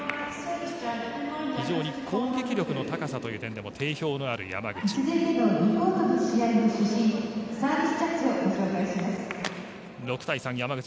非常に攻撃力の高さという点でも定評のある山口。